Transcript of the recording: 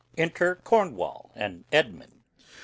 Enter Cornwall and Edmund.